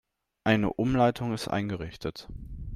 Eine Umleitung ist eingerichtet.